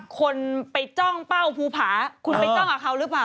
คนไปจ้องเป้าภูผาคุณไปจ้องกับเขาหรือเปล่า